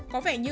có vẻ như